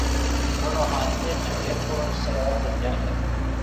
وہ روحانیت جو ایک پراسرار دنیا ہے۔